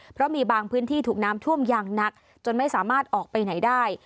เพราะมีบางพื้นที่ถูกน้ำท่วมอย่างหนักจนไม่สามารถออกไปไหนได้